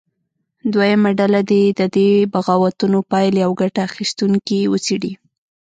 دویمه ډله دې د دې بغاوتونو پایلې او ګټه اخیستونکي وڅېړي.